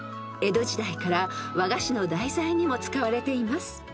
［江戸時代から和菓子の題材にも使われています］